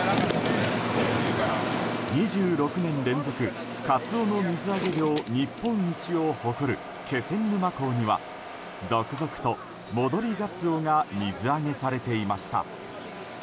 ２６年連続カツオの水揚げ量日本一を誇る気仙沼港には続々と戻りガツオが水揚げされていました。